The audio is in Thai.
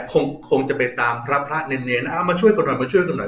คงคงจะไปตามพระพระเนรเอามาช่วยกันหน่อยมาช่วยกันหน่อย